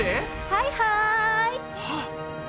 はいはい！